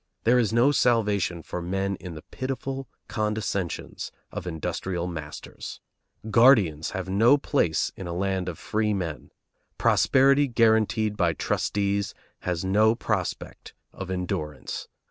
There is no salvation for men in the pitiful condescensions of industrial masters. Guardians have no place in a land of freemen. Prosperity guaranteed by trustees has no prospect of endurance.